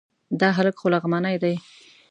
دا هلک خو لغمانی دی...